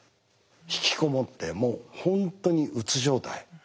引きこもってもう本当にうつ状態。